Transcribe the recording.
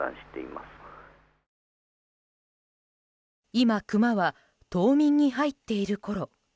今、クマは冬眠に入っているころ。